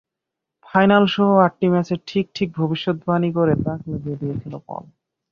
ফাইনালসহ আটটি ম্যাচের ঠিক ঠিক ভবিষ্যদ্বাণী করে তাক লাগিয়ে দিয়েছিল পল।